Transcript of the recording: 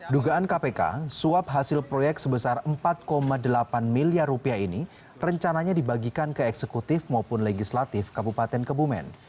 dugaan kpk suap hasil proyek sebesar rp empat delapan miliar rupiah ini rencananya dibagikan ke eksekutif maupun legislatif kabupaten kebumen